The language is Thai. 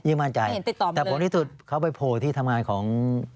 ยิ่งมั่นใจไม่เห็นติดต่อมาเลยแต่ผมที่สุดเขาไปโพลที่ทำงานของ